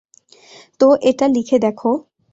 তো এটা লিখে দেখো।